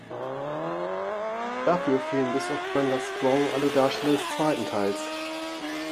Dafür fehlen bis auf Brenda Strong alle Darsteller des zweiten Teils.